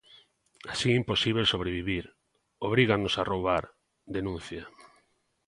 Así é imposíbel sobrevivir, obrígannos a roubar, denuncia.